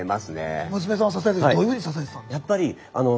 娘さんを支える時どういうふうに支えてたんですか？